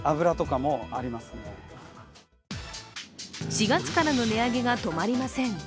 ４月からの値上げが止まりません。